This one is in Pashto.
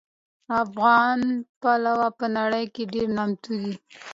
افغان پلو په نړۍ کې ډېر نامتو دي